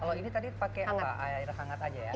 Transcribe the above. kalau ini tadi pakai air hangat aja ya